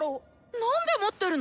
何で持ってるの？